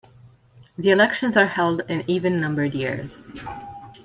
The elections are held in even-numbered years.